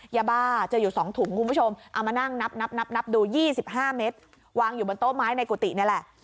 ยาบ้าเจออยู่๒ถุงคุณผู้ชมเอามานั่งนับนับดู๒๕เมตรวางอยู่บนโต๊ะไม้ในกุฏินี่แหละ